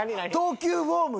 投球フォーム